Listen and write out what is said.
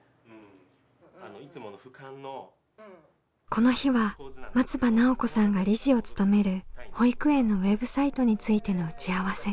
この日は松場奈緒子さんが理事を務める保育園のウェブサイトについての打ち合わせ。